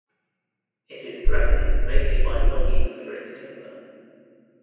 It is threatened mainly by logging for its timber.